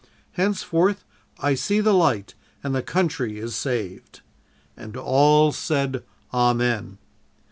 Henceforth I see the light and the country is saved.' "And all said 'Amen!'